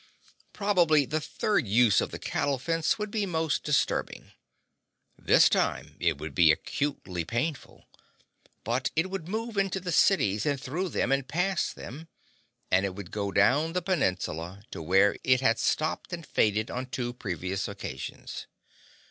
Probably the third use of the cattle fence would be most disturbing. This time it would be acutely painful. But it would move into the cities and through them and past them, and it would go down the peninsula to where it had stopped and faded on two previous occasions.